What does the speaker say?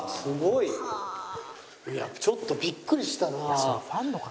いやちょっとビックリしたな。